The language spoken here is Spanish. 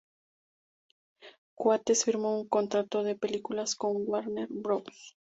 Coates firmó un contrato de películas con Warner Bros.